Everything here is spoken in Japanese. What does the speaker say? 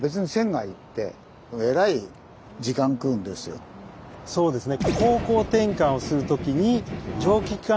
こうそうですね。